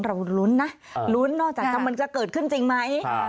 เรารุ้นนะลุ้นนอกจากมันจะเกิดขึ้นจริงไหม